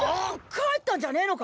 帰ったんじゃねえのか！？